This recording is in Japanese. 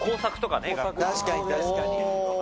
確かに、確かに。